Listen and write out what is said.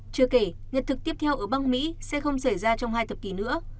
chưa kể nhật thực tiếp theo ở bang mỹ sẽ không xảy ra trong hai thập kỷ nữa